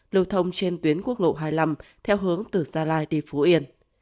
lưu thông trên tuyến quốc lộ hai mươi năm theo hướng từ gia lai đi phú yên